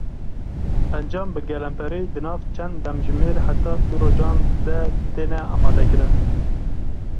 Encam bi gelemperî di nav çend demjimêr heta du rojan de têne amadekirin.